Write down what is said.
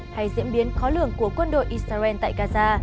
hay diễn biến khó lường của quân đội israel tại gaza